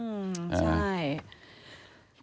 อืมใช่